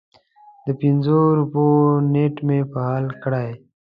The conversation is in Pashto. د پنځو روپیو نیټ مې فعال کړی